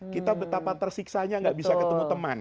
kita betapa tersiksanya gak bisa ketemu teman